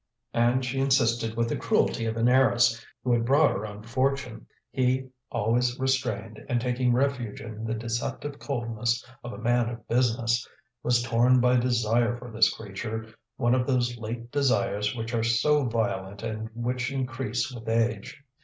And she insisted with the cruelty of an heiress who had brought her own fortune. He, always restrained, and taking refuge in the deceptive coldness of a man of business, was torn by desire for this creature, one of those late desires which are so violent and which increase with age.